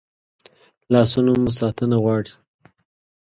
لاسونه مو ساتنه غواړي